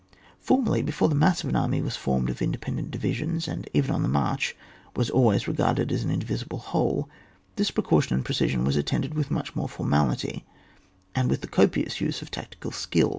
Formerly, before the mass of an army was formed of independent divisions, and even on the march was always re garded as an indivisible whole, this precau tion and precision was attended with much more formality, and with the copious use of tactical skiU.